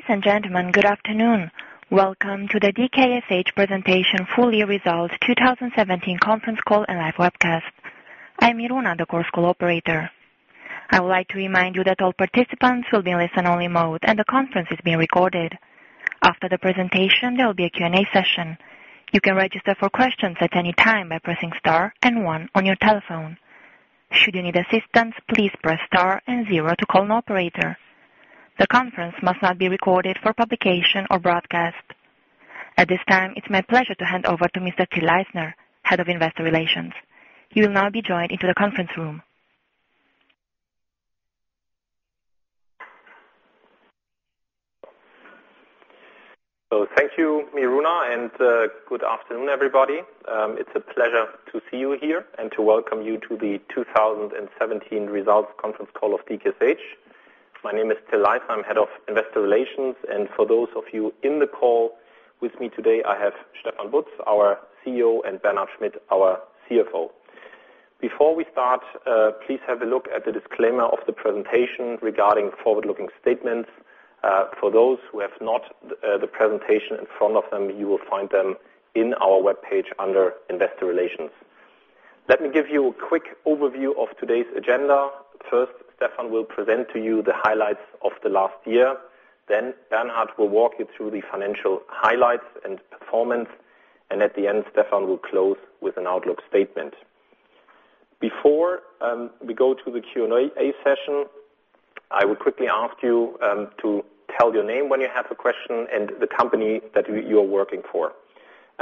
Ladies and gentlemen, good afternoon. Welcome to the DKSH presentation, full year results 2017 conference call and live webcast. I'm Iruna, the Chorus Call operator. I would like to remind you that all participants will be in listen-only mode, and the conference is being recorded. After the presentation, there will be a Q&A session. You can register for questions at any time by pressing star and one on your telephone. Should you need assistance, please press star and zero to call an operator. The conference must not be recorded for publication or broadcast. At this time, it's my pleasure to hand over to Mr. Till Leisner, Head of Investor Relations. He will now be joined into the conference room. Thank you, Iruna, and good afternoon, everybody. It's a pleasure to see you here and to welcome you to the 2017 results conference call of DKSH. My name is Till Leisner. I'm Head of Investor Relations, and for those of you in the call with me today, I have Stefan Butz, our CEO, and Bernhard Schmitt, our CFO. Before we start, please have a look at the disclaimer of the presentation regarding forward-looking statements. For those who have not the presentation in front of them, you will find them on our webpage under Investor Relations. Let me give you a quick overview of today's agenda. First, Stefan will present to you the highlights of the last year. Bernhard will walk you through the financial highlights and performance, at the end, Stefan will close with an outlook statement. Before we go to the Q&A session, I will quickly ask you to tell your name when you have a question and the company that you are working for.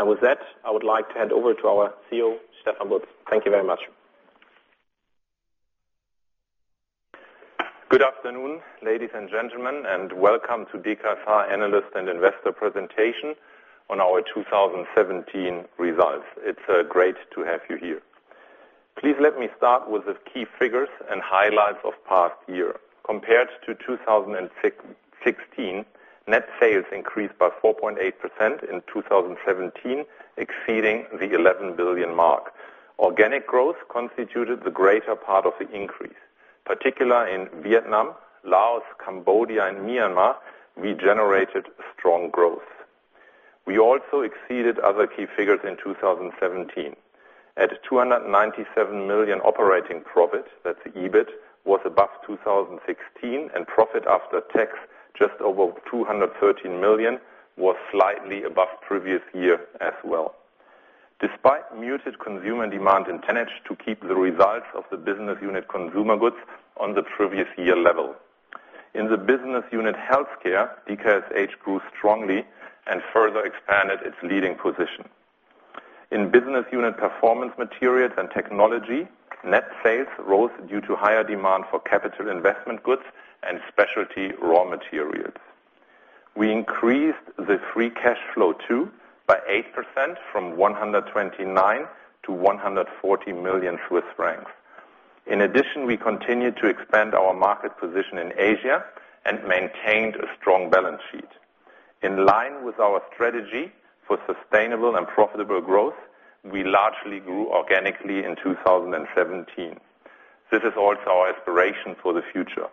With that, I would like to hand over to our CEO, Stefan Butz. Thank you very much. Good afternoon, ladies and gentlemen, and welcome to DKSH Analyst and Investor Presentation on our 2017 results. It's great to have you here. Please let me start with the key figures and highlights of the past year. Compared to 2016, net sales increased by 4.8% in 2017, exceeding the 11 billion mark. Organic growth constituted the greater part of the increase, particularly in Vietnam, Laos, Cambodia, and Myanmar, we generated strong growth. We also exceeded other key figures in 2017. At 297 million operating profit, that's EBIT, was above 2016, and profit after tax, just over 213 million, was slightly above the previous year as well. Despite muted consumer demand inaudible] to keep the results of the Business Unit Consumer Goods on the previous year level. In the Business Unit Healthcare, DKSH grew strongly and further expanded its leading position. In business unit performance materials and technology, net sales rose due to higher demand for capital investment goods and specialty raw materials. We increased the free cash flow too, by 8%, from 129 million to 140 million Swiss francs. In addition, we continued to expand our market position in Asia and maintained a strong balance sheet. In line with our strategy for sustainable and profitable growth, we largely grew organically in 2017. This is also our aspiration for the future.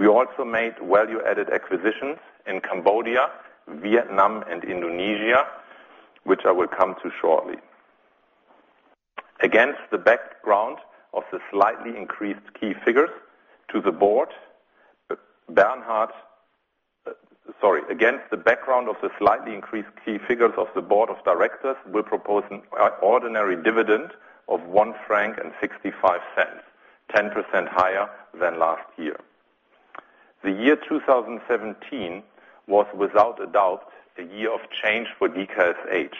We also made value-added acquisitions in Cambodia, Vietnam, and Indonesia, which I will come to shortly. Against the background of the slightly increased key figures of the board of directors, we're proposing an ordinary dividend of 1.65 franc, 10% higher than last year. The year 2017 was without a doubt a year of change for DKSH,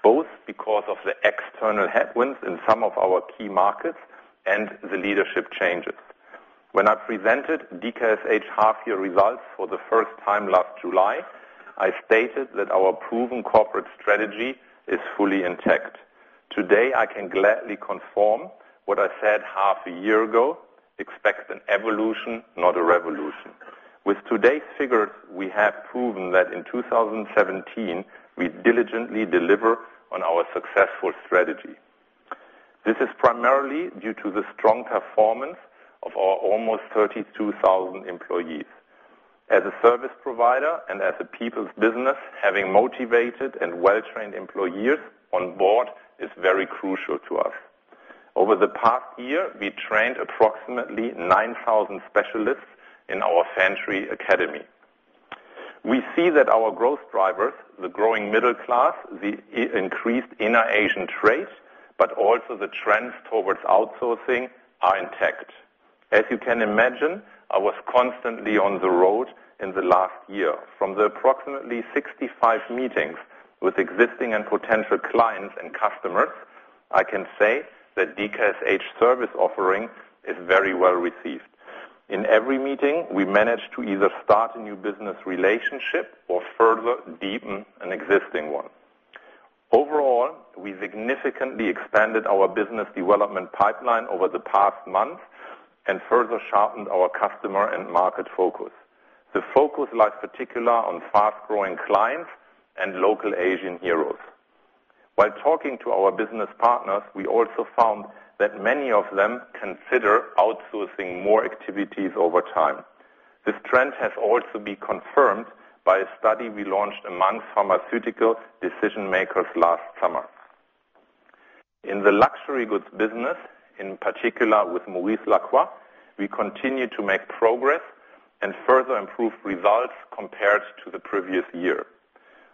both because of the external headwinds in some of our key markets and the leadership changes. When I presented DKSH half-year results for the first time last July, I stated that our proven corporate strategy is fully intact. Today, I can gladly confirm what I said half a year ago, expect an evolution, not a revolution. With today's figures, we have proven that in 2017, we diligently deliver on our successful strategy. This is primarily due to the strong performance of our almost 32,000 employees. As a service provider and as a people's business, having motivated and well-trained employees on board is very crucial to us. Over the past year, we trained approximately 9,000 specialists in our Fantree Academy. We see that our growth drivers, the growing middle class, the increased inner Asian trade, but also the trends towards outsourcing, are intact. As you can imagine, I was constantly on the road in the last year. From the approximately 65 meetings with existing and potential clients and customers, I can say that DKSH service offering is very well-received. In every meeting, we managed to either start a new business relationship or further deepen an existing one. Overall, we significantly expanded our business development pipeline over the past months and further sharpened our customer and market focus. The focus lies particularly on fast-growing clients and local Asian heroes. While talking to our business partners, we also found that many of them consider outsourcing more activities over time. This trend has also been confirmed by a study we launched among pharmaceutical decision-makers last summer. In the luxury goods business, in particular with Maurice Lacroix, we continue to make progress and further improve results compared to the previous year.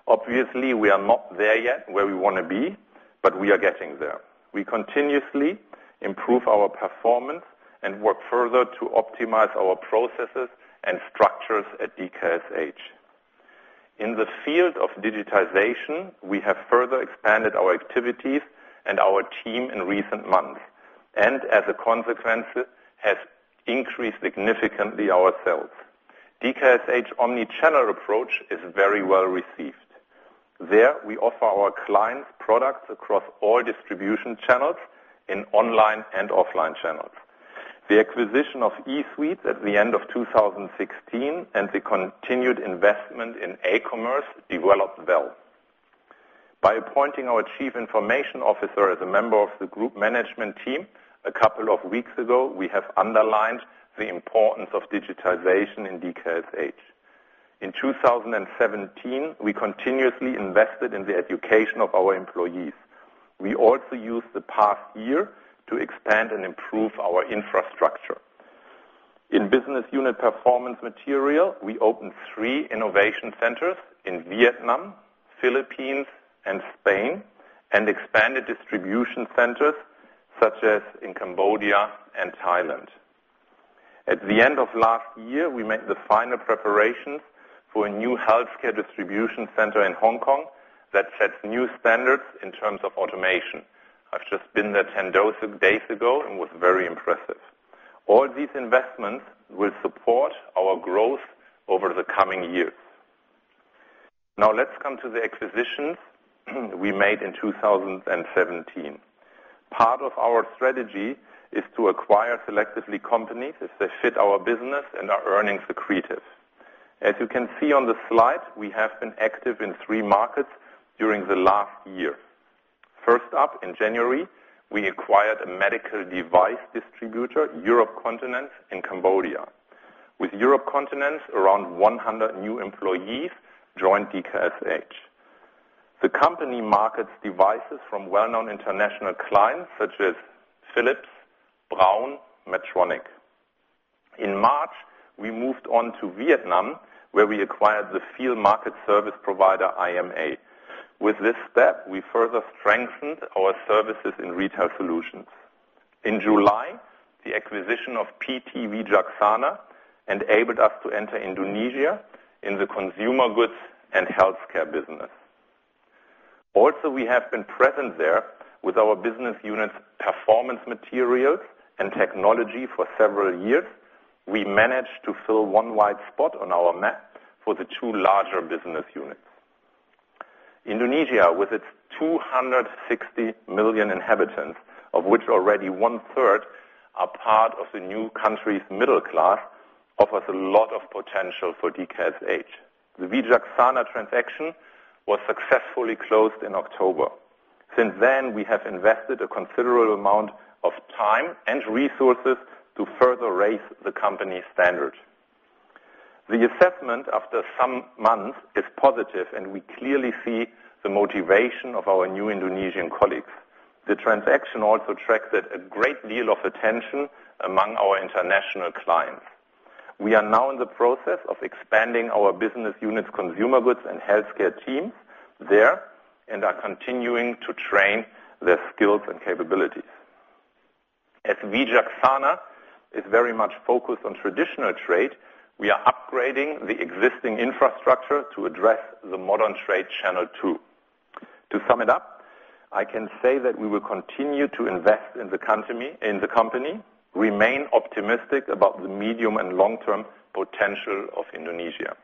Obviously, we are not there yet where we want to be, but we are getting there. We continuously improve our performance and work further to optimize our processes and structures at DKSH. In the field of digitization, we have further expanded our activities and our team in recent months, and as a consequence, has increased significantly ourselves. DKSH omnichannel approach is very well received. There, we offer our clients products across all distribution channels in online and offline channels. The acquisition of eSweets at the end of 2016 and the continued investment in aCommerce developed well. By appointing our chief information officer as a member of the group management team a couple of weeks ago, we have underlined the importance of digitization in DKSH. In 2017, we continuously invested in the education of our employees. We also used the past year to expand and improve our infrastructure. In Business Unit Performance Materials, we opened three innovation centers in Vietnam, Philippines, and Spain, and expanded distribution centers such as in Cambodia and Thailand. At the end of last year, we made the final preparations for a new healthcare distribution center in Hong Kong that sets new standards in terms of automation. I've just been there 10 days ago and was very impressed. All these investments will support our growth over the coming years. Now let's come to the acquisitions we made in 2017. Part of our strategy is to acquire selectively companies if they fit our business and are earning accretive. As you can see on the slide, we have been active in three markets during the last year. First up, in January, we acquired a medical device distributor, Europ Continents in Cambodia. With Europ Continents, around 100 new employees joined DKSH. The company markets devices from well-known international clients such as Philips, B. Braun, Medtronic. In March, we moved on to Vietnam, where we acquired the field market service provider, IMA. With this step, we further strengthened our services in retail solutions. In July, the acquisition of PT Wicaksana enabled us to enter Indonesia in the Consumer Goods and Healthcare business. Also, we have been present there with our business units, Performance Materials and Technology, for several years. We managed to fill one wide spot on our map for the two larger business units. Indonesia, with its 260 million inhabitants, of which already one-third are part of the new country's middle class, offers a lot of potential for DKSH. The Wicaksana transaction was successfully closed in October. Since then, we have invested a considerable amount of time and resources to further raise the company's standard. The assessment after some months is positive, and we clearly see the motivation of our new Indonesian colleagues. The transaction also attracted a great deal of attention among our international clients. We are now in the process of expanding our business units, Consumer Goods, and Healthcare teams there and are continuing to train their skills and capabilities. As Wicaksana is very much focused on traditional trade, we are upgrading the existing infrastructure to address the modern trade channel, too. To sum it up, I can say that we will continue to invest in the company, remain optimistic about the medium and long-term potential of Indonesia.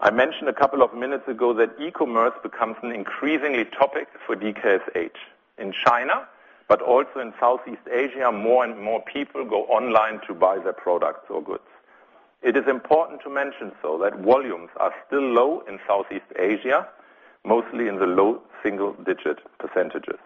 I mentioned a couple of minutes ago that e-commerce becomes an increasingly topic for DKSH. In China, but also in Southeast Asia, more and more people go online to buy their products or goods. It is important to mention, though, that volumes are still low in Southeast Asia, mostly in the low single-digit percentages.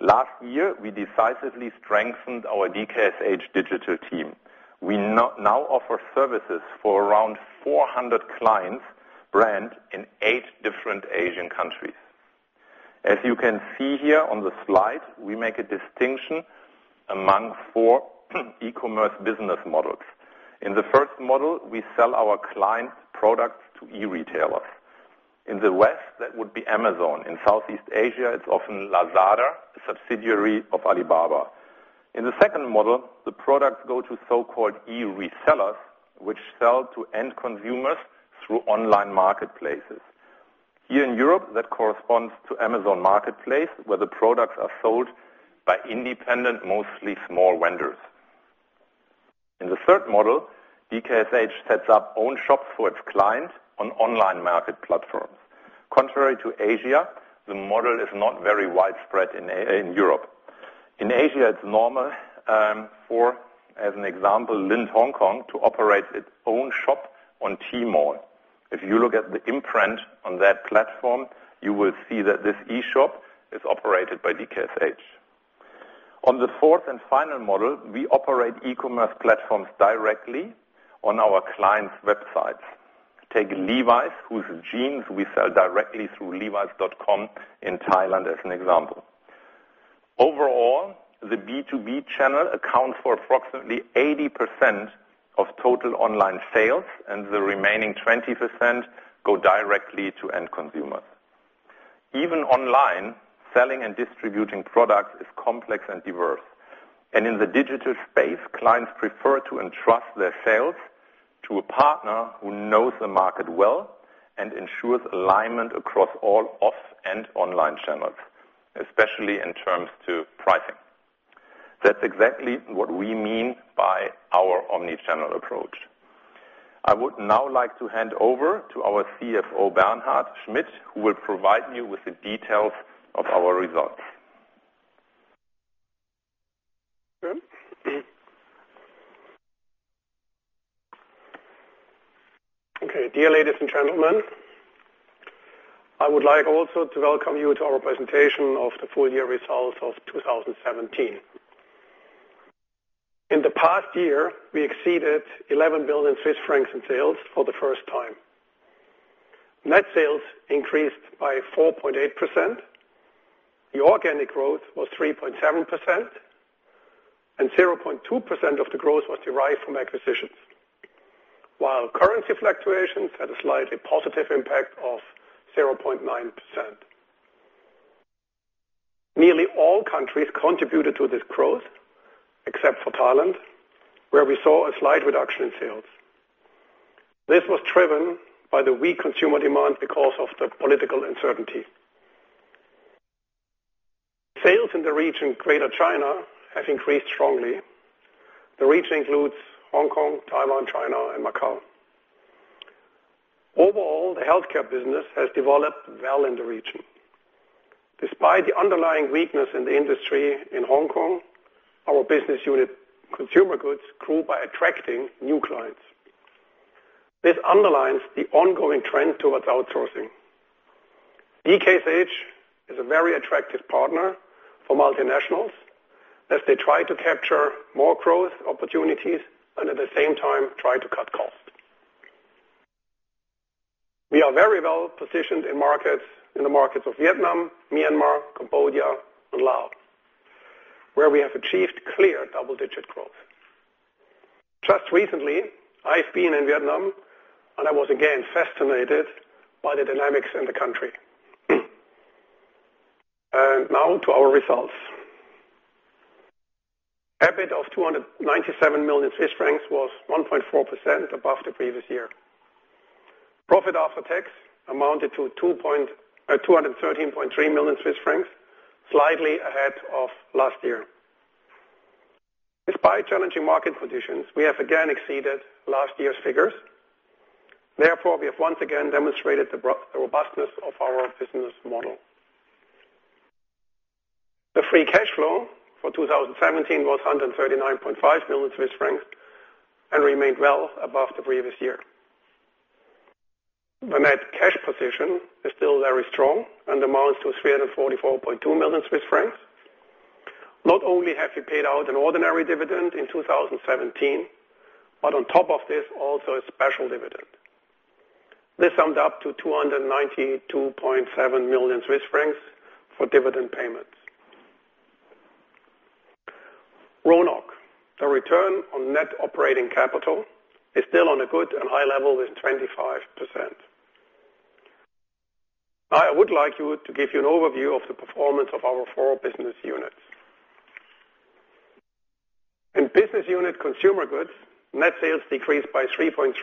Last year, we decisively strengthened our DKSH digital team. We now offer services for around 400 clients brand in eight different Asian countries. As you can see here on the slide, we make a distinction among four e-commerce business models. In the first model, we sell our client products to e-retailers. In the West, that would be Amazon. In Southeast Asia, it's often Lazada, a subsidiary of Alibaba. In the second model, the products go to so-called e-resellers, which sell to end consumers through online marketplaces. Here in Europe, that corresponds to Amazon Marketplace, where the products are sold by independent, mostly small vendors. In the third model, DKSH sets up own shops for its clients on online market platforms. Contrary to Asia, the model is not very widespread in Europe. In Asia, it's normal for, as an example, Lindt Hong Kong to operate its own shop on Tmall. If you look at the imprint on that platform, you will see that this e-shop is operated by DKSH. On the fourth and final model, we operate e-commerce platforms directly on our clients' websites. Take Levi's, whose jeans we sell directly through levis.com in Thailand as an example. Overall, the B2B channel accounts for approximately 80% of total online sales, and the remaining 20% go directly to end consumers. Even online, selling and distributing products is complex and diverse. In the digital space, clients prefer to entrust their sales to a partner who knows the market well and ensures alignment across all off and online channels, especially in terms to pricing. That's exactly what we mean by our omnichannel approach. I would now like to hand over to our CFO, Bernhard Schmitt, who will provide you with the details of our results. Okay. Dear ladies and gentlemen, I would like also to welcome you to our presentation of the full year results of 2017. In the past year, we exceeded 11 billion Swiss francs in sales for the first time. Net sales increased by 4.8%. The organic growth was 3.7%. 0.2% of the growth was derived from acquisitions. While currency fluctuations had a slightly positive impact of 0.9%. Nearly all countries contributed to this growth, except for Thailand, where we saw a slight reduction in sales. This was driven by the weak consumer demand because of the political uncertainty. Sales in the region Greater China have increased strongly. The region includes Hong Kong, Taiwan, China, and Macau. Overall, the healthcare business has developed well in the region. Despite the underlying weakness in the industry in Hong Kong, our business unit, Consumer Goods, grew by attracting new clients. This underlines the ongoing trend towards outsourcing. DKSH is a very attractive partner for multinationals as they try to capture more growth opportunities and at the same time try to cut costs. We are very well-positioned in the markets of Vietnam, Myanmar, Cambodia and Laos, where we have achieved clear double-digit growth. Just recently, I've been in Vietnam, I was again fascinated by the dynamics in the country. Now to our results. EBIT of 297 million Swiss francs was 1.4% above the previous year. Profit after tax amounted to 213.3 million Swiss francs, slightly ahead of last year. Despite challenging market conditions, we have again exceeded last year's figures. Therefore, we have once again demonstrated the robustness of our business model. The free cash flow for 2017 was 139.5 million Swiss francs and remained well above the previous year. The net cash position is still very strong and amounts to 344.2 million Swiss francs. Not only have we paid out an ordinary dividend in 2017, but on top of this, also a special dividend. This summed up to 292.7 million Swiss francs for dividend payments. RONOC, the return on net operating capital, is still on a good and high level with 25%. Now, I would like you to give you an overview of the performance of our four business units. In Business Unit Consumer Goods, net sales decreased by 3.3%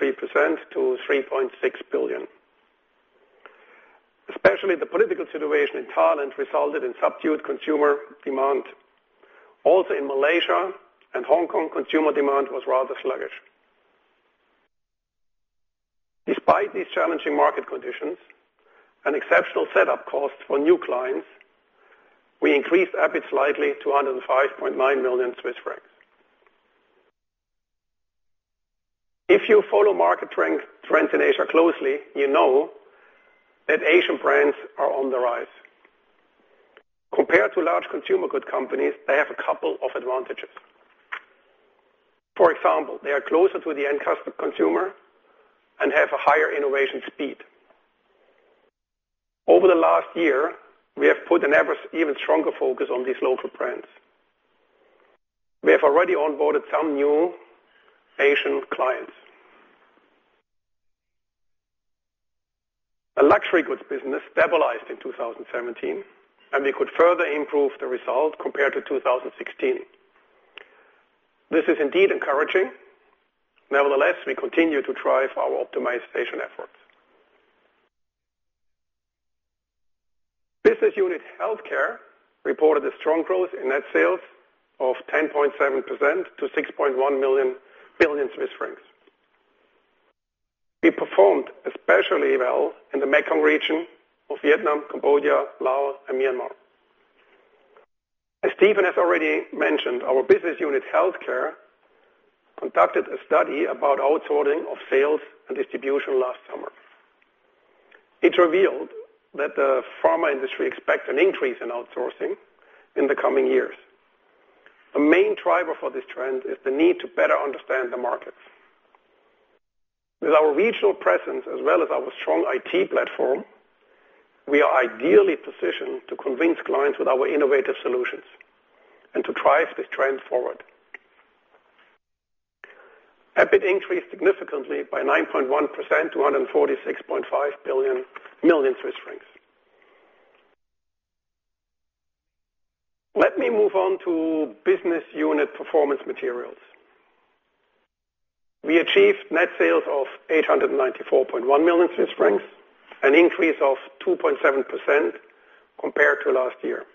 to 3.6 billion. Especially the political situation in Thailand resulted in subdued consumer demand. Also in Malaysia and Hong Kong, consumer demand was rather sluggish. Despite these challenging market conditions and exceptional setup costs for new clients, we increased EBIT slightly to 105.9 million Swiss francs. If you follow market trends in Asia closely, you know that Asian brands are on the rise. Compared to large consumer goods companies, they have a couple of advantages. For example, they are closer to the end consumer and have a higher innovation speed. Over the last year, we have put an even stronger focus on these local brands. We have already onboarded some new Asian clients. The Luxury Goods Business stabilized in 2017, and we could further improve the result compared to 2016. This is indeed encouraging. Nevertheless, we continue to drive our optimization efforts. Business Unit Healthcare reported a strong growth in net sales of 10.7% to 6.1 billion Swiss francs. Performed especially well in the Mekong region of Vietnam, Cambodia, Laos, and Myanmar. As Stefan has already mentioned, our Business Unit Healthcare conducted a study about outsourcing of sales and distribution last summer. It revealed that the pharma industry expects an increase in outsourcing in the coming years. A main driver for this trend is the need to better understand the markets. With our regional presence as well as our strong IT platform, we are ideally positioned to convince clients with our innovative solutions and to drive this trend forward. EBIT increased significantly by 9.1% to 146.5 million Swiss francs. Let me move on to Business Unit Performance Materials. We achieved net sales of 894.1 million Swiss francs, an increase of 2.7% compared to last year.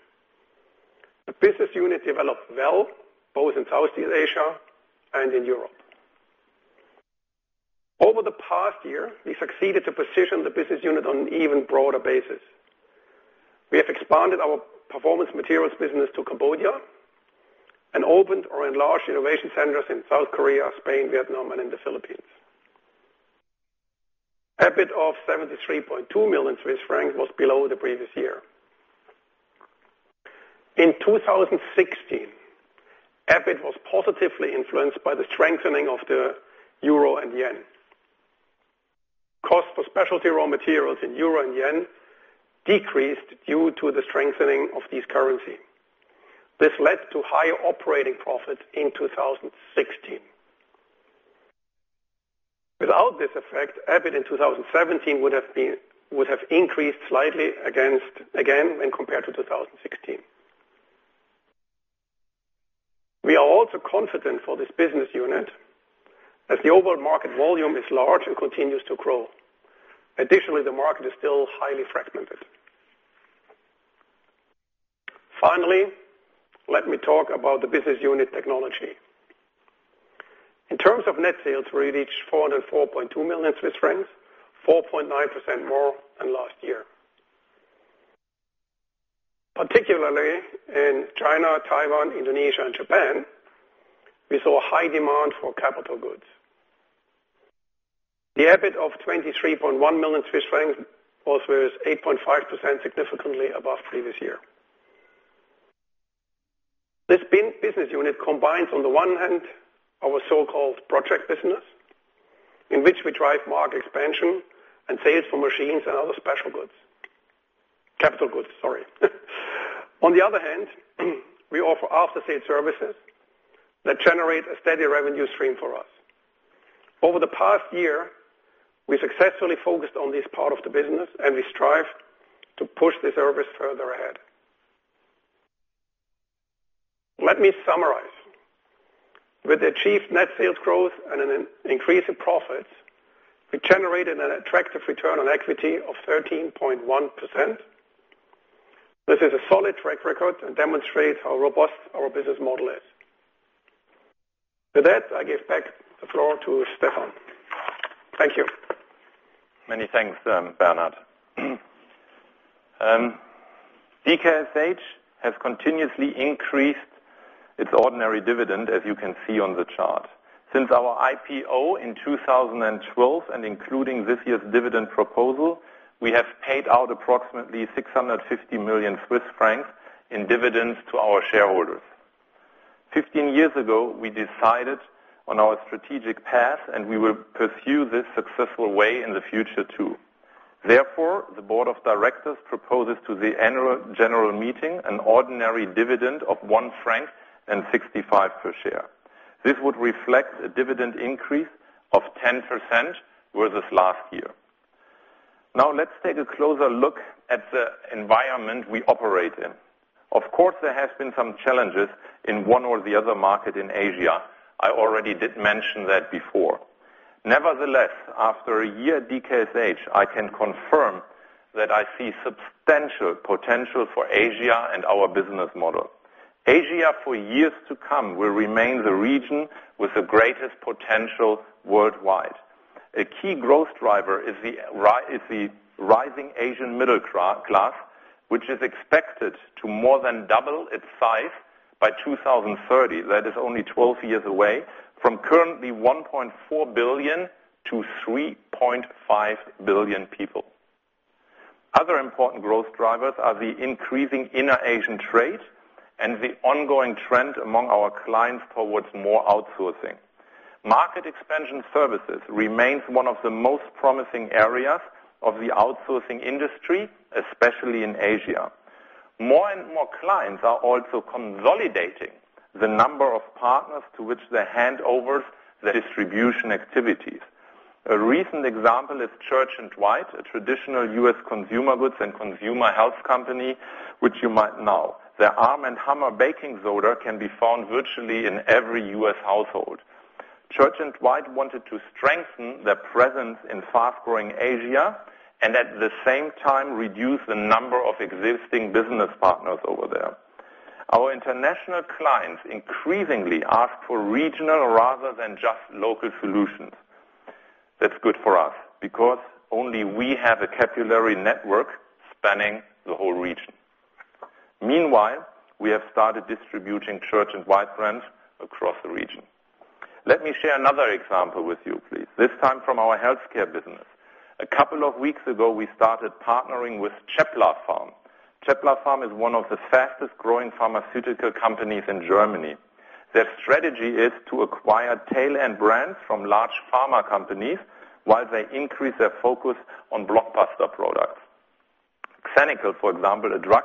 The Business Unit developed well both in Southeast Asia and in Europe. Over the past year, we succeeded to position the Business Unit on an even broader basis. We have expanded our Performance Materials business to Cambodia and opened or enlarged innovation centers in South Korea, Spain, Vietnam, and in the Philippines. EBIT of 73.2 million Swiss francs was below the previous year. In 2016, EBIT was positively influenced by the strengthening of the EUR and JPY. Cost for specialty raw materials in EUR and JPY decreased due to the strengthening of these currency. This led to higher operating profits in 2016. Without this effect, EBIT in 2017 would have increased slightly again when compared to 2016. We are also confident for this Business Unit as the overall market volume is large and continues to grow. Additionally, the market is still highly fragmented. Finally, let me talk about the Business Unit Technology. In terms of net sales, we reached 404.2 million Swiss francs, 4.9% more than last year. Particularly in China, Taiwan, Indonesia, and Japan, we saw a high demand for capital goods. The EBIT of 23.1 million Swiss francs was 8.5% significantly above previous year. This business unit combines, on the one hand, our so-called project business, in which we drive Market Expansion Services and sales for machines and other special goods. Capital goods, sorry. On the other hand, we offer after-sale services that generate a steady revenue stream for us. Over the past year, we successfully focused on this part of the business and we strived to push the service further ahead. Let me summarize. With achieved net sales growth and an increase in profits, we generated an attractive return on equity of 13.1%. This is a solid track record and demonstrates how robust our business model is. With that, I give back the floor to Stefan. Thank you. Many thanks, Bernhard. DKSH has continuously increased its ordinary dividend, as you can see on the chart. Since our IPO in 2012 and including this year's dividend proposal, we have paid out approximately 650 million Swiss francs in dividends to our shareholders. 15 years ago, we decided on our strategic path, and we will pursue this successful way in the future too. Therefore, the board of directors proposes to the annual general meeting an ordinary dividend of 1.65 franc per share. This would reflect a dividend increase of 10% versus last year. Now let's take a closer look at the environment we operate in. Of course, there has been some challenges in one or the other market in Asia. I already did mention that before. Nevertheless, after a year at DKSH, I can confirm that I see substantial potential for Asia and our business model. Asia, for years to come, will remain the region with the greatest potential worldwide. A key growth driver is the rising Asian middle class, which is expected to more than double its size by 2030. That is only 12 years away from currently 1.4 billion to 3.5 billion people. Other important growth drivers are the increasing inner Asian trade and the ongoing trend among our clients towards more outsourcing. Market Expansion Services remains one of the most promising areas of the outsourcing industry, especially in Asia. More and more clients are also consolidating the number of partners to which they hand over their distribution activities. A recent example is Church & Dwight, a traditional U.S. consumer goods and consumer health company, which you might know. Their ARM & HAMMER baking soda can be found virtually in every U.S. household. Church & Dwight wanted to strengthen their presence in fast-growing Asia and at the same time reduce the number of existing business partners over there. Our international clients increasingly ask for regional rather than just local solutions. That's good for us because only we have a capillary network spanning the whole region. Meanwhile, we have started distributing Church & Dwight brands across the region. Let me share another example with you, please. This time from our healthcare business. A couple of weeks ago, we started partnering with CHEPLAPHARM. CHEPLAPHARM is one of the fastest-growing pharmaceutical companies in Germany. Their strategy is to acquire tail end brands from large pharma companies while they increase their focus on blockbuster products. XENICAL, for example, a drug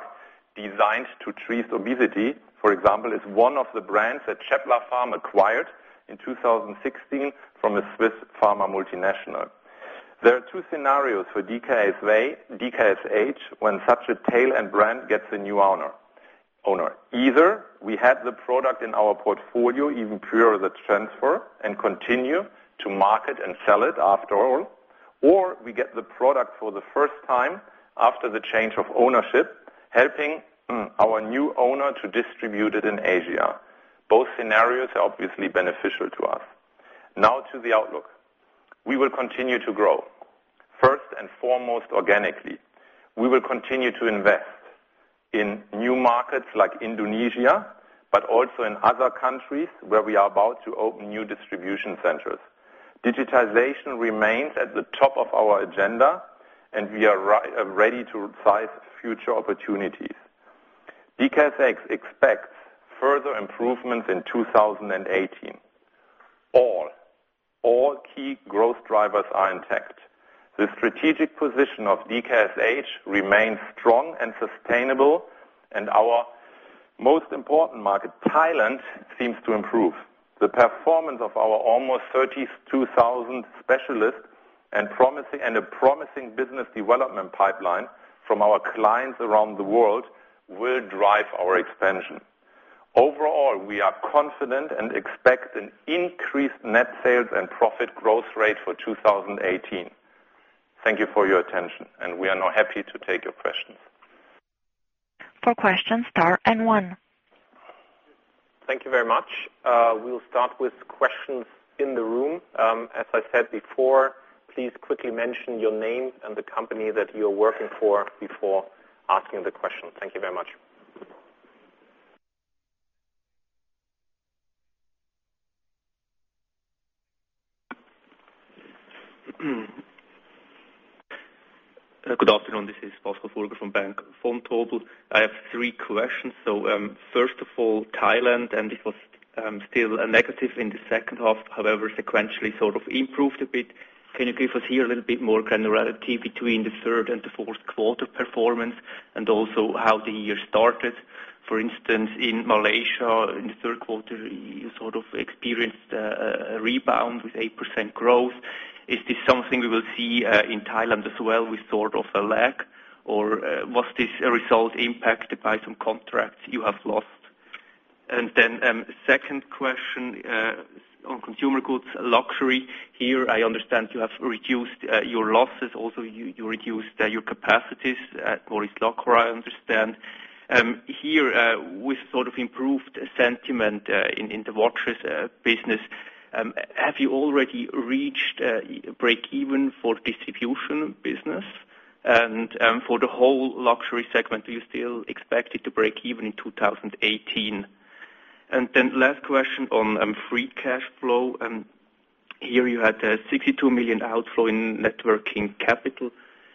designed to treat obesity, for example, is one of the brands that CHEPLAPHARM acquired in 2016 from a Swiss pharma multinational. There are two scenarios for DKSH when such a tail end brand gets a new owner. Either we have the product in our portfolio even prior to transfer and continue to market and sell it after all, or we get the product for the first time after the change of ownership, helping our new owner to distribute it in Asia. Both scenarios are obviously beneficial to us. To the outlook. We will continue to grow, first and foremost, organically. We will continue to invest in new markets like Indonesia, but also in other countries where we are about to open new distribution centers. Digitalization remains at the top of our agenda, and we are ready to size future opportunities. DKSH expects further improvements in 2018. All key growth drivers are intact. The strategic position of DKSH remains strong and sustainable, and our most important market, Thailand, seems to improve. The performance of our almost 32,000 specialists and a promising business development pipeline from our clients around the world will drive our expansion. Overall, we are confident and expect an increased net sales and profit growth rate for 2018. Thank you for your attention, and we are now happy to take your questions. For questions, star and one. Thank you very much. We will start with questions in the room. As I said before, please quickly mention your name and the company that you are working for before asking the question. Thank you very much. Good afternoon. This is Pascal Furger from Bank Vontobel. I have three questions. First of all, Thailand, it was still a negative in the second half, however, sequentially sort of improved a bit. Can you give us here a little bit more kind of relativity between the third and the fourth quarter performance and also how the year started? For instance, in Malaysia, in the third quarter, you sort of experienced a rebound with 8% growth. Is this something we will see in Thailand as well with sort of a lag? Or was this result impacted by some contracts you have lost? Second question on consumer goods, luxury. Here I understand you have reduced your losses. Also, you reduced your capacities at Maurice Lacroix, I understand. Here, with sort of improved sentiment in the watches business, have you already reached breakeven for distribution business? For the whole luxury segment, do you still expect it to breakeven in 2018? Last question on free cash flow. Here you had a 62 million outflow in net working capital.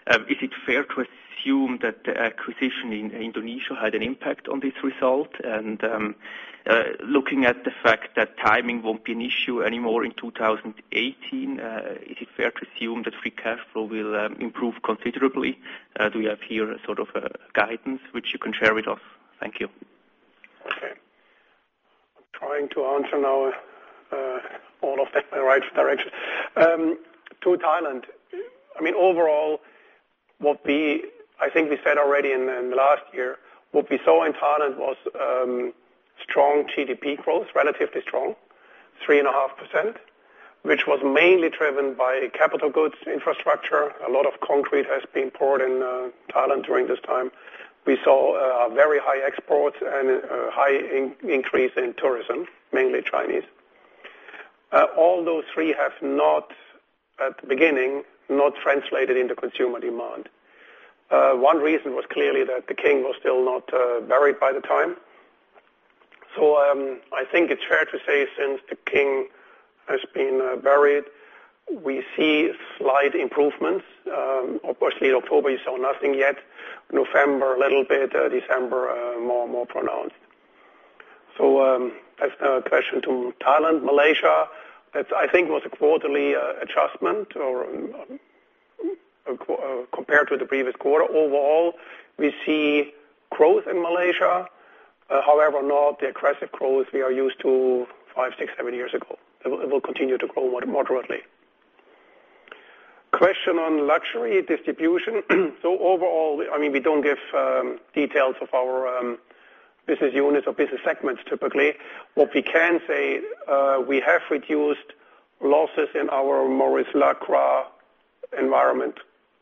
Is it fair to assume that the acquisition in Indonesia had an impact on this result? Looking at the fact that timing won't be an issue anymore in 2018, is it fair to assume that free cash flow will improve considerably? Do we have here sort of a guidance which you can share with us? Thank you. Okay. I'm trying to answer now all of that in the right direction. To Thailand. I think we said already in the last year, what we saw in Thailand was strong GDP growth, relatively strong, 3.5%, which was mainly driven by capital goods infrastructure. A lot of concrete has been poured in Thailand during this time. We saw very high exports and a high increase in tourism, mainly Chinese. All those three have not, at the beginning, not translated into consumer demand. One reason was clearly that the King was still not buried by the time. I think it's fair to say since the King has been buried, we see slight improvements. Of course, in October, you saw nothing yet. November, a little bit. December, more pronounced. That's a question to Thailand. Malaysia, I think, was a quarterly adjustment compared to the previous quarter. Overall, we see growth in Malaysia. However, not the aggressive growth we are used to five, six, seven years ago. It will continue to grow moderately. Question on luxury distribution. Overall, we don't give details of our business units or business segments, typically. What we can say, we have reduced losses in our Maurice Lacroix Environment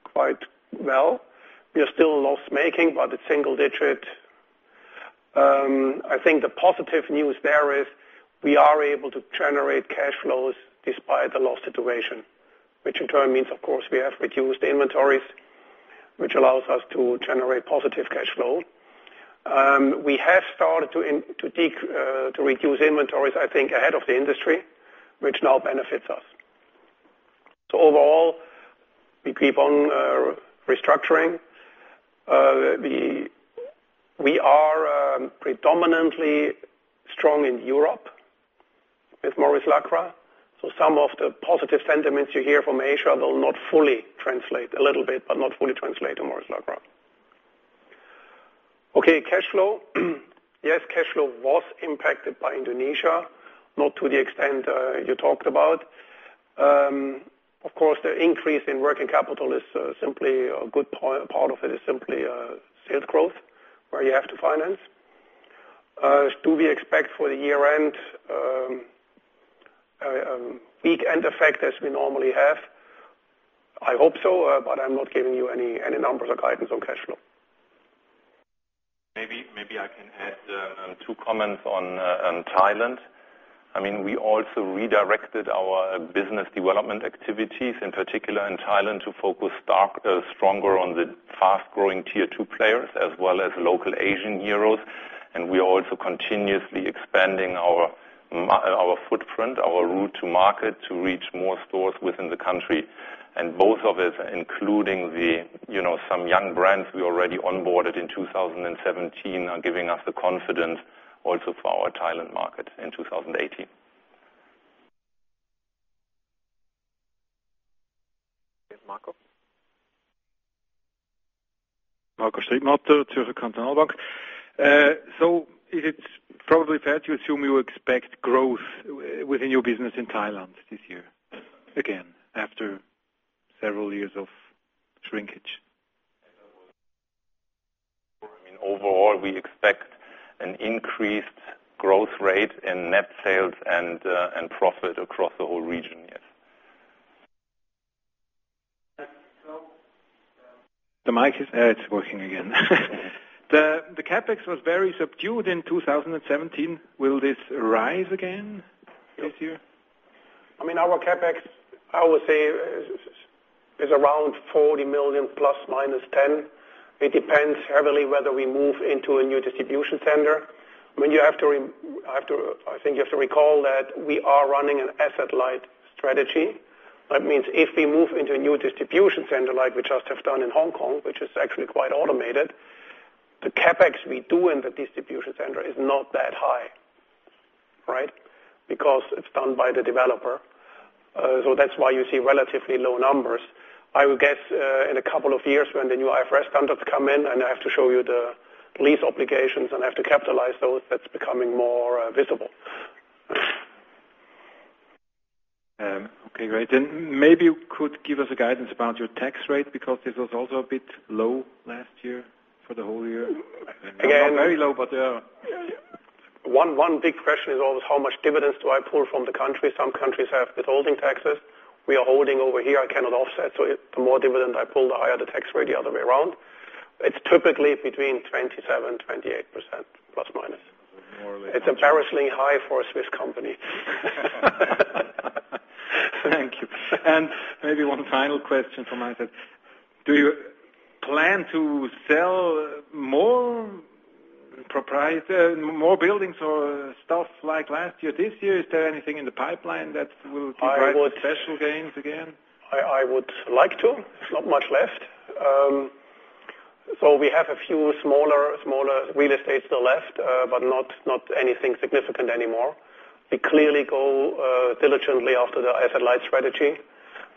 quite well. We are still loss-making, but it's single digit. I think the positive news there is we are able to generate cash flows despite the loss situation, which in turn means, of course, we have reduced inventories, which allows us to generate positive cash flow. We have started to reduce inventories, I think, ahead of the industry, which now benefits us. Overall, we keep on restructuring. We are predominantly strong in Europe with Maurice Lacroix. Some of the positive sentiments you hear from Asia will not fully translate, a little bit, but not fully translate to Maurice Lacroix. Okay, cash flow. Yes, cash flow was impacted by Indonesia, not to the extent you talked about. Of course, the increase in working capital, a good part of it is simply sales growth where you have to finance. Do we expect for the year-end a big end effect as we normally have? I hope so, but I'm not giving you any numbers or guidance on cash flow. Maybe I can add two comments on Thailand. We also redirected our business development activities, in particular in Thailand, to focus stronger on the fast-growing tier 2 players as well as local Asian heroes. We are also continuously expanding our footprint, our route to market, to reach more stores within the country. Both of it, including some young brands we already onboarded in 2017, are giving us the confidence also for our Thailand market in 2018. Yes, Marco. Marco Strittmatter, Zürcher Kantonalbank. Is it probably fair to assume you expect growth within your business in Thailand this year again, after several years of shrinkage? I mean, overall, we expect an increased growth rate in net sales and profit across the whole region, yes. The mic is working again. The CapEx was very subdued in 2017. Will this rise again this year? I mean, our CapEx, I would say, is around 40 million, plus or minus 10. It depends heavily whether we move into a new distribution center. I think you have to recall that we are running an asset-light strategy. That means if we move into a new distribution center, like we just have done in Hong Kong, which is actually quite automated, the CapEx we do in the distribution center is not that high, right? Because it's done by the developer. That's why you see relatively low numbers. I would guess, in a couple of years, when the new IFRS standards come in and I have to show you the lease obligations and I have to capitalize those, that's becoming more visible. Okay, great. Maybe you could give us a guidance about your tax rate, because this was also a bit low last year for the whole year. Again- Not very low, but yeah. One big question is always how much dividends do I pull from the country? Some countries have withholding taxes. We are holding over here. I cannot offset. The more dividend I pull, the higher the tax rate, the other way around. It's typically between 27% and 28%, plus or minus. It's embarrassingly high for a Swiss company. Thank you. Maybe one final question from my side. Do you plan to sell more buildings or stuff like last year, this year? Is there anything in the pipeline that will be priced special gains again? I would like to. There's not much left. We have a few smaller real estates still left, but not anything significant anymore. We clearly go diligently after the asset-light strategy.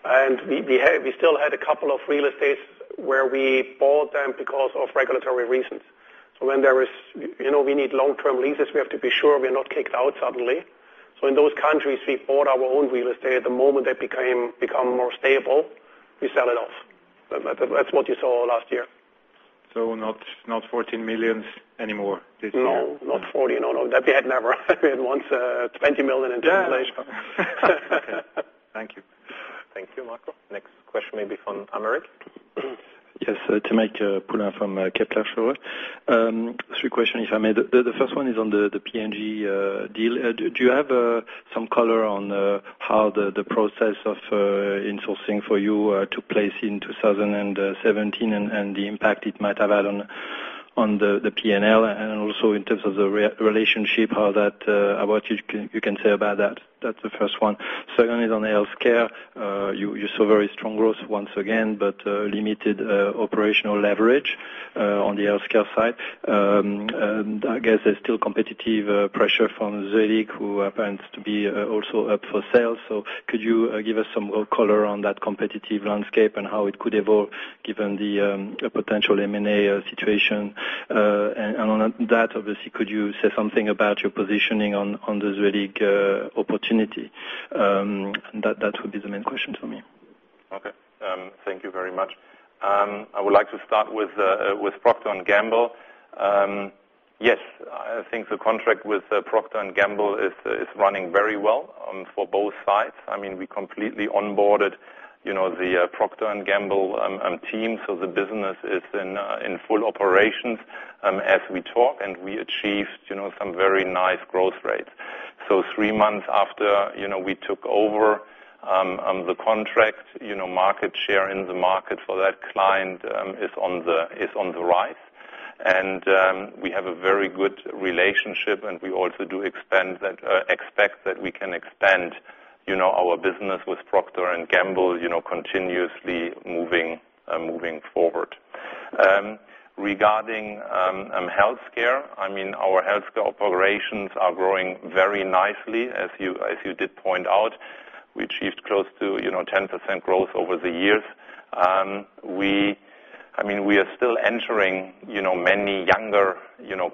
We still had a couple of real estates where we bought them because of regulatory reasons. We need long-term leases. We have to be sure we are not kicked out suddenly. In those countries, we bought our own real estate. The moment they become more stable, we sell it off. That's what you saw last year. Not 14 million anymore this year. No, not 14. No, that we had never. We had once 20 million in translation. Yeah, that's fine. Okay. Thank you. Thank you, Marco. Next question maybe from Tomek. Yes. Tomek Pulin from Kepler Cheuvreux. Three question, if I may. The first one is on the P&G deal. Do you have some color on how the process of insourcing for you took place in 2017 and the impact it might have had on the P&L and also in terms of the relationship, how about you can say about that? That's the first one. Second is on the healthcare. You saw very strong growth once again, but limited operational leverage on the healthcare side. I guess there's still competitive pressure from Zuellig, who happens to be also up for sale. Could you give us some more color on that competitive landscape and how it could evolve given the potential M&A situation? On that, obviously, could you say something about your positioning on the Zuellig opportunity? That would be the main question for me. Okay. Thank you very much. I would like to start with Procter & Gamble. Yes. I think the contract with Procter & Gamble is running very well for both sides. We completely onboarded the Procter & Gamble team, so the business is in full operations as we talk, and we achieved some very nice growth rates. Three months after we took over the contract, market share in the market for that client is on the rise. We have a very good relationship, and we also do expect that we can expand our business with Procter & Gamble continuously moving forward. Regarding healthcare, our healthcare operations are growing very nicely, as you did point out. We achieved close to 10% growth over the years. We are still entering many younger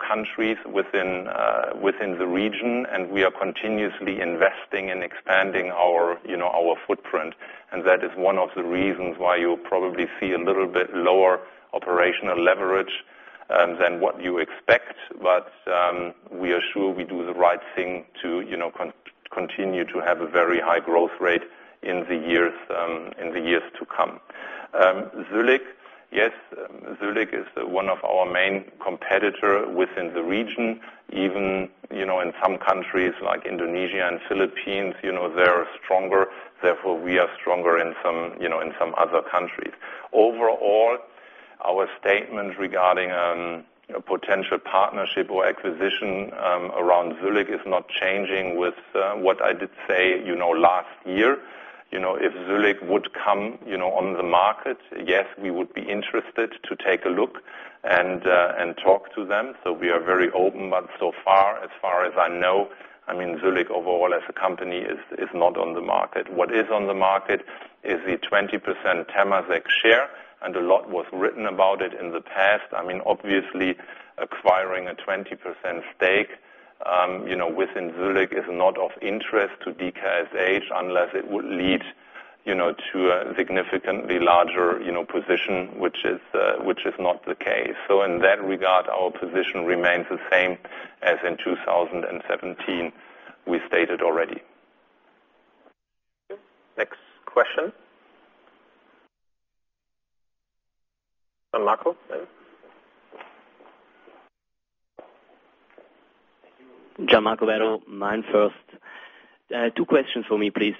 countries within the region, and we are continuously investing in expanding our footprint, and that is one of the reasons why you'll probably see a little bit lower operational leverage than what you expect. We are sure we do the right thing to continue to have a very high growth rate in the years to come. Zuellig. Yes, Zuellig is one of our main competitor within the region. Even in some countries like Indonesia and Philippines, they are stronger, therefore, we are stronger in some other countries. Overall, our statement regarding a potential partnership or acquisition around Zuellig is not changing with what I did say last year. If Zuellig would come on the market, yes, we would be interested to take a look and talk to them. We are very open, but so far, as far as I know, Zuellig overall as a company is not on the market. What is on the market is the 20% Temasek share, and a lot was written about it in the past. Obviously, acquiring a 20% stake within Zuellig is not of interest to DKSH unless it would lead to a significantly larger position, which is not the case. In that regard, our position remains the same as in 2017, we stated already. Next question. Gianmarco. Thank you. Gian Marco Werro, MainFirst. 2 questions for me, please.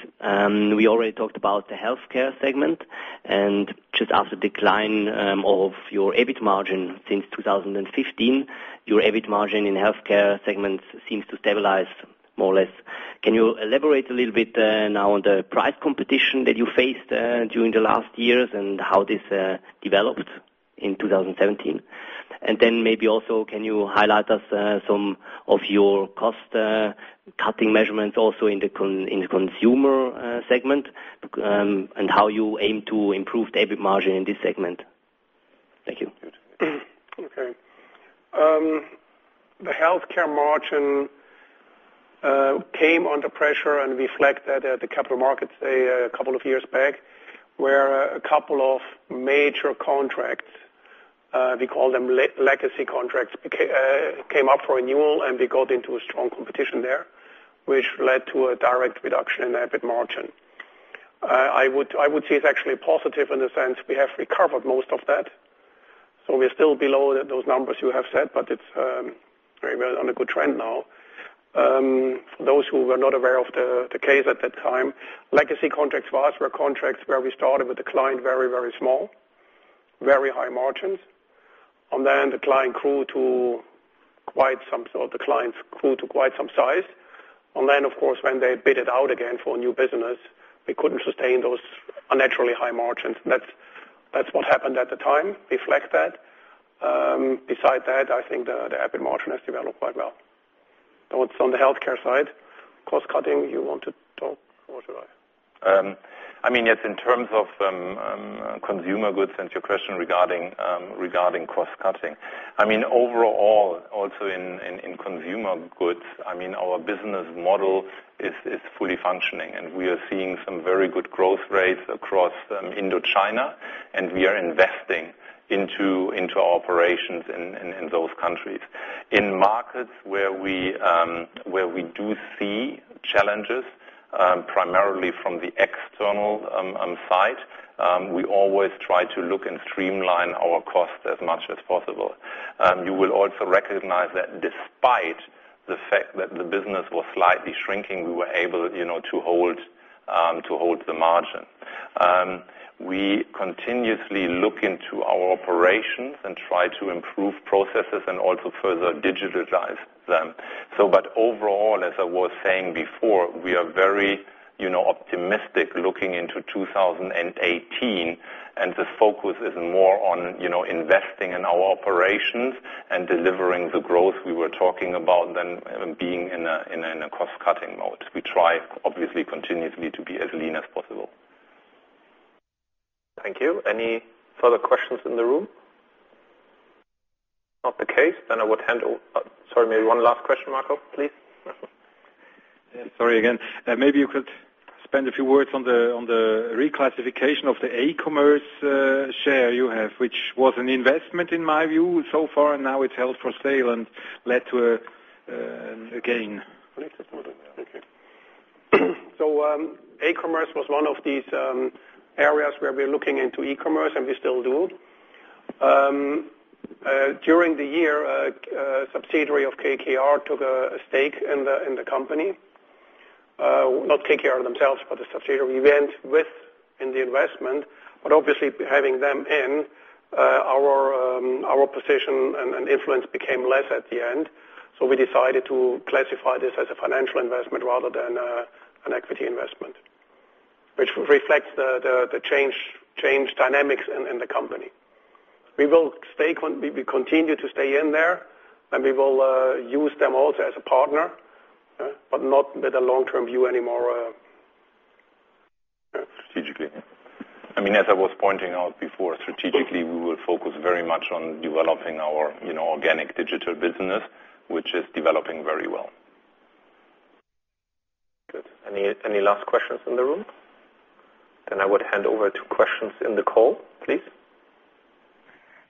We already talked about the healthcare segment, and just after decline of your EBIT margin since 2015, your EBIT margin in healthcare segments seems to stabilize more or less. Can you elaborate a little bit now on the price competition that you faced during the last years and how this developed in 2017? Can you highlight us some of your cost-cutting measurements also in the consumer segment, and how you aim to improve the EBIT margin in this segment? Thank you. Okay. The healthcare margin came under pressure and we flagged that at the capital markets a couple of years back, where a couple of major contracts, we call them legacy contracts, came up for renewal, and we got into a strong competition there, which led to a direct reduction in the EBIT margin. I would say it's actually positive in the sense we have recovered most of that. We're still below those numbers you have said, but it's very well on a good trend now. For those who were not aware of the case at that time, legacy contracts for us were contracts where we started with the client very small, very high margins. The clients grew to quite some size. Of course, when they bid it out again for a new business, we couldn't sustain those unnaturally high margins. That's what happened at the time, reflect that. Besides that, I think the EBIT margin has developed quite well. What's on the healthcare side, cost-cutting, you want to talk or should I? In terms of consumer goods and your question regarding cost-cutting. Overall, also in consumer goods, our business model is fully functioning, and we are seeing some very good growth rates across Indochina, and we are investing into our operations in those countries. In markets where we do see challenges, primarily from the external side, we always try to look and streamline our costs as much as possible. You will also recognize that despite the fact that the business was slightly shrinking, we were able to hold the margin. We continuously look into our operations and try to improve processes and also further digitize them. Overall, as I was saying before, we are very optimistic looking into 2018, and the focus is more on investing in our operations and delivering the growth we were talking about than being in a cost-cutting mode. We try, obviously, continuously to be as lean as possible. Thank you. Any further questions in the room? Not the case, I would Sorry, maybe one last question, Marco, please. Sorry again. Maybe you could spend a few words on the reclassification of the aCommerce share you have, which was an investment in my view so far, and now it's held for sale and led to a gain. aCommerce was one of these areas where we are looking into e-commerce, and we still do. During the year, a subsidiary of KKR took a stake in the company. Not KKR themselves, but a subsidiary. We went with in the investment, but obviously having them in, our position and influence became less at the end. We decided to classify this as a financial investment rather than an equity investment, which reflects the changed dynamics in the company. We continue to stay in there, and we will use them also as a partner, but not with a long-term view anymore. Strategically. As I was pointing out before, strategically, we will focus very much on developing our organic digital business, which is developing very well. Good. Any last questions in the room? I would hand over to questions in the call, please.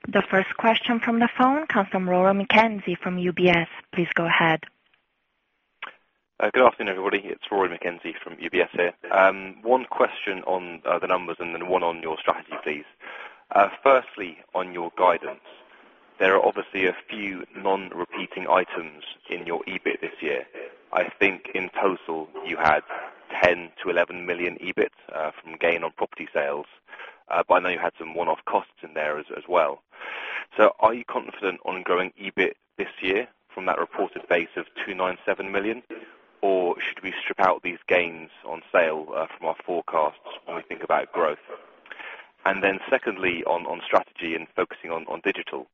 The first question from the phone comes from Rory McKenzie from UBS. Please go ahead. Good afternoon, everybody. It's Rory McKenzie from UBS here. One question on the numbers and one on your strategy, please. Firstly, on your guidance. There are obviously a few non-repeating items in your EBIT this year. I think in total you had 10 million-11 million EBIT from gain on property sales. I know you had some one-off costs in there as well. Are you confident on growing EBIT this year from that reported base of 297 million? Should we strip out these gains on sale from our forecasts when we think about growth? Secondly, on strategy and focusing on digital.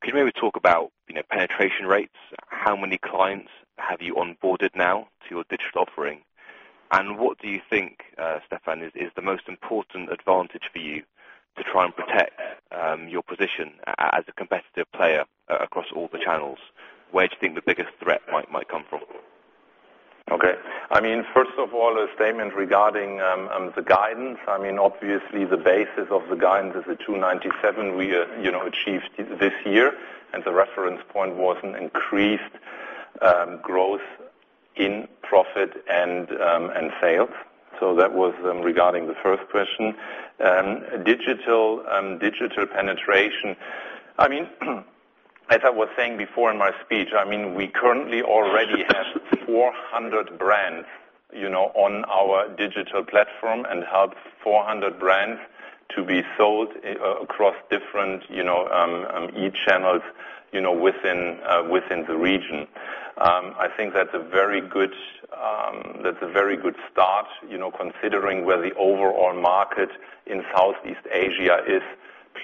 Could you maybe talk about penetration rates? How many clients have you onboarded now to your digital offering? What do you think, Stefan, is the most important advantage for you to try and protect your position as a competitive player across all the channels? Where do you think the biggest threat might come from? Okay. First of all, a statement regarding the guidance. Obviously, the basis of the guidance is the 297 we achieved this year, and the reference point was an increased growth in profit and sales. That was regarding the first question. Digital penetration. As I was saying before in my speech, we currently already have 400 brands on our digital platform and have 400 brands to be sold across different e-channels within the region. I think that's a very good start considering where the overall market in Southeast Asia is.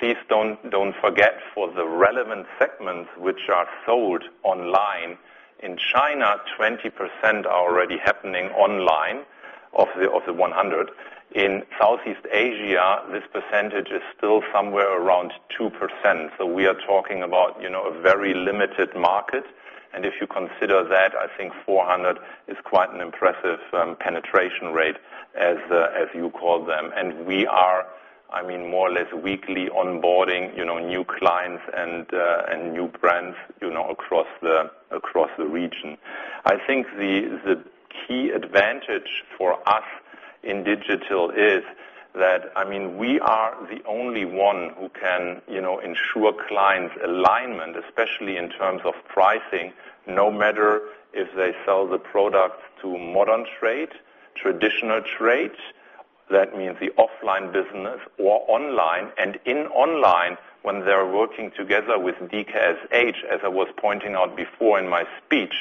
Please don't forget for the relevant segments which are sold online. In China, 20% are already happening online of the 100. In Southeast Asia, this percentage is still somewhere around 2%. We are talking about a very limited market. If you consider that, I think 400 is quite an impressive penetration rate, as you call them. We are more or less weekly onboarding new clients and new brands across the region. I think the key advantage for us in digital is that we are the only one who can ensure clients alignment, especially in terms of pricing, no matter if they sell the product to modern trade, traditional trade, that means the offline business or online. In online, when they're working together with DKSH, as I was pointing out before in my speech,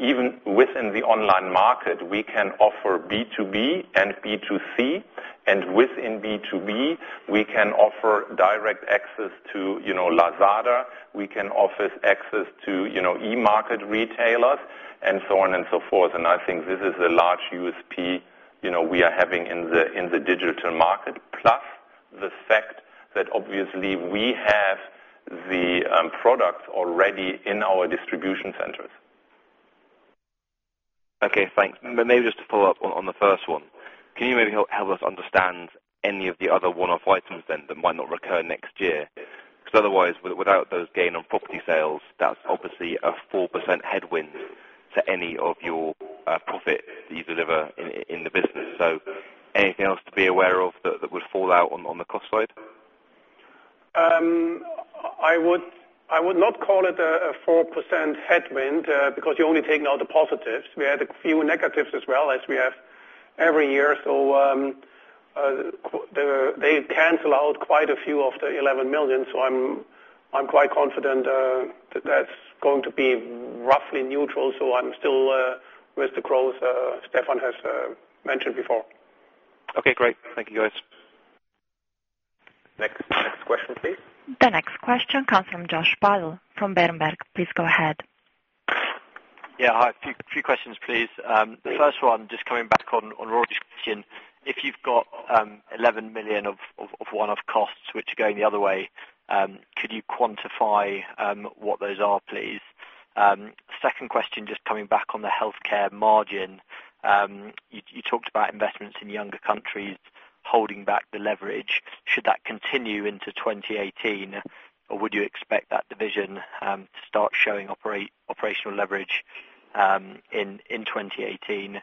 even within the online market, we can offer B2B and B2C, and within B2B, we can offer direct access to Lazada. We can offer access to e-market retailers and so on and so forth. I think this is a large USP we are having in the digital market. Plus the fact that obviously we have the products already in our distribution centers. Okay, thanks. Maybe just to follow up on the first one. Can you maybe help us understand any of the other one-off items then that might not recur next year? Because otherwise, without those gain on property sales, that's obviously a 4% headwind to any of your profit that you deliver in the business. Anything else to be aware of that would fall out on the cost side? I would not call it a 4% headwind because you're only taking out the positives. We had a few negatives as well as we have every year. They cancel out quite a few of the 11 million. I'm quite confident that's going to be roughly neutral. I'm still with the growth Stefan has mentioned before. Okay, great. Thank you, guys. Next question, please. The next question comes from Josh Puddle from Berenberg. Please go ahead. Yeah. Hi. A few questions, please. The first one, just coming back on Rory's question. You've got 11 million of one-off costs which are going the other way. Could you quantify what those are, please? Second question, just coming back on the healthcare margin. You talked about investments in younger countries holding back the leverage. Should that continue into 2018, or would you expect that division to start showing operational leverage in 2018?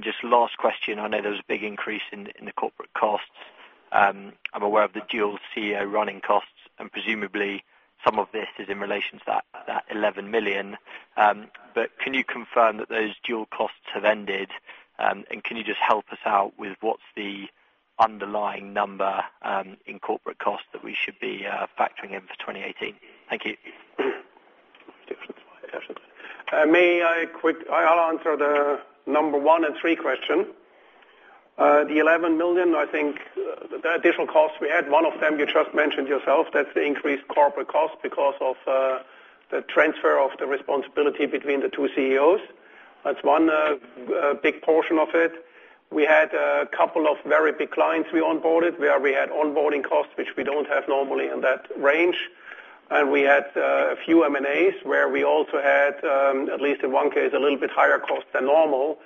Just last question, I know there was a big increase in the corporate costs. I'm aware of the dual CEO running costs, and presumably, some of this is in relation to that 11 million. Can you confirm that those dual costs have ended, and can you just help us out with what's the underlying number in corporate costs that we should be factoring in for 2018? Thank you. May I'll answer the number one and three question. The 11 million, I think the additional costs we had, one of them you just mentioned yourself, that's the increased corporate cost because of the transfer of the responsibility between the two CEOs. That's one big portion of it. We had a couple of very big clients we onboarded, where we had onboarding costs, which we don't have normally in that range. We had a few M&As where we also had, at least in one case, a little bit higher cost than normal.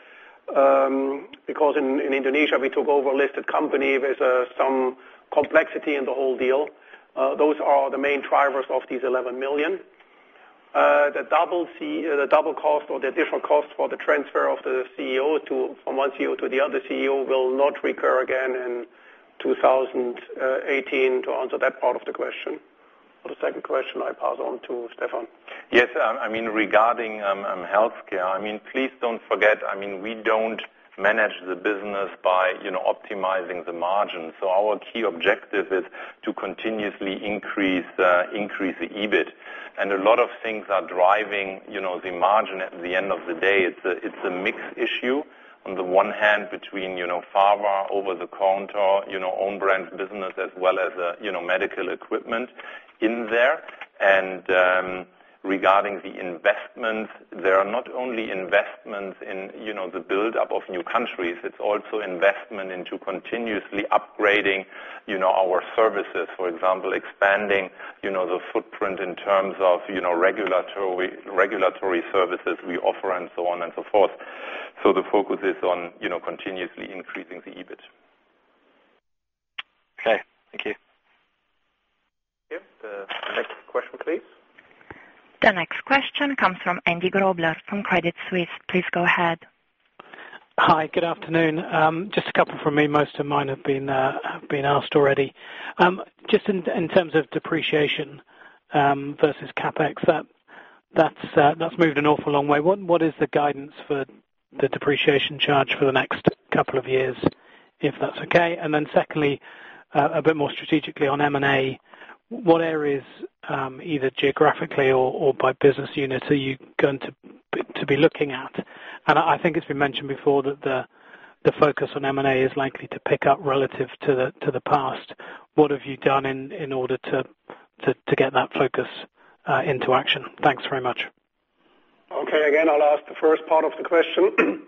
Because in Indonesia, we took over a listed company. There's some complexity in the whole deal. Those are the main drivers of these 11 million. The double cost or the additional cost for the transfer of the CEO from one CEO to the other CEO will not recur again in 2018, to answer that part of the question. For the second question, I pass on to Stefan. Yes. Regarding healthcare, please don't forget, we don't manage the business by optimizing the margin. Our key objective is to continuously increase the EBIT. A lot of things are driving the margin. At the end of the day, it's a mixed issue. On the one hand, between pharma, over-the-counter, own brand business as well as medical equipment in there. Regarding the investments, there are not only investments in the build-up of new countries, it's also investment into continuously upgrading our services. For example, expanding the footprint in terms of regulatory services we offer, and so on and so forth. The focus is on continuously increasing the EBIT. Okay. Thank you. Yep. The next question, please. The next question comes from Andy Grobler from Credit Suisse. Please go ahead. Hi. Good afternoon. Just a couple from me. Most of mine have been asked already. Just in terms of depreciation versus CapEx, that's moved an awful long way. What is the guidance for the depreciation charge for the next couple of years, if that's okay? Secondly, a bit more strategically on M&A, what areas, either geographically or by business unit, are you going to be looking at? I think it's been mentioned before that the focus on M&A is likely to pick up relative to the past. What have you done in order to get that focus into action? Thanks very much. Okay. Again, I'll ask the first part of the question.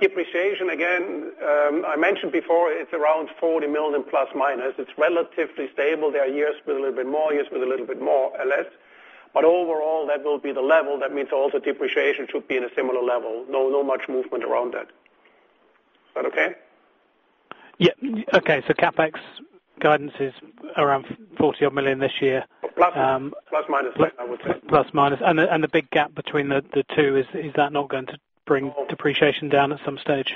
Depreciation, again, I mentioned before, it's around 40 million, plus, minus. It's relatively stable. There are years with a little bit more, years with a little bit more or less. Overall, that will be the level. That means also depreciation should be in a similar level. Not much movement around that. Is that okay? Yeah. Okay. CapEx guidance is around 40 million-odd this year. Plus, minus, I would say. Plus, minus. The big gap between the two, is that not going to bring depreciation down at some stage?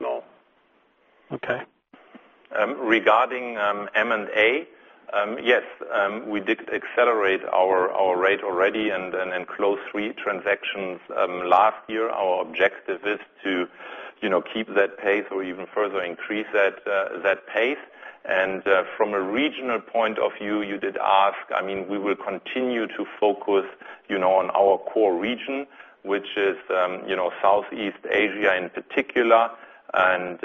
No. Okay. Regarding M&A, yes, we did accelerate our rate already and close 3 transactions last year. Our objective is to keep that pace or even further increase that pace. From a regional point of view, you did ask, we will continue to focus on our core region, which is Southeast Asia in particular, and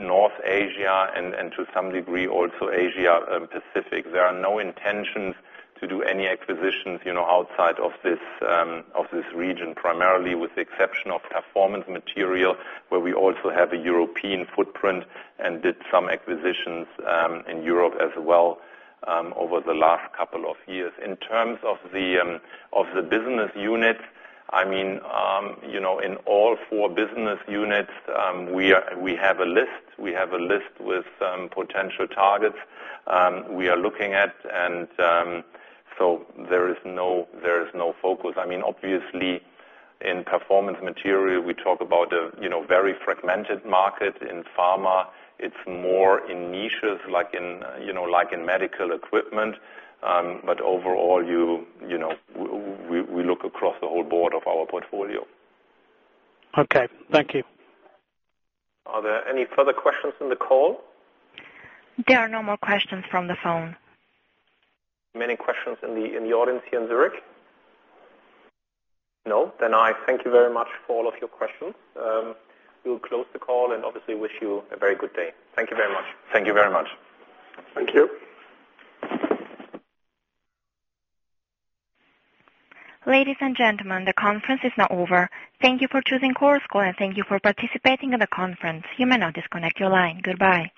North Asia, and to some degree, also Asia Pacific. There are no intentions to do any acquisitions outside of this region, primarily with the exception of performance material, where we also have a European footprint and did some acquisitions in Europe as well over the last couple of years. In terms of the business unit, in all 4 business units, we have a list. We have a list with some potential targets we are looking at. Obviously, in performance material, we talk about a very fragmented market. In pharma, it's more in niches like in medical equipment. Overall, we look across the whole board of our portfolio. Okay. Thank you. Are there any further questions on the call? There are no more questions from the phone. Many questions in the audience here in Zurich? No? I thank you very much for all of your questions. We'll close the call and obviously wish you a very good day. Thank you very much. Thank you very much. Thank you. Ladies and gentlemen, the conference is now over. Thank you for choosing Chorus Call, and thank you for participating in the conference. You may now disconnect your line. Goodbye.